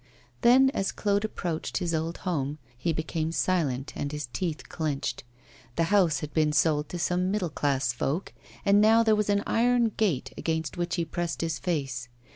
Then, as Claude approached his old home, he became silent, and his teeth clenched. The house had been sold to some middle class folk, and now there was an iron gate, against which he pressed his face.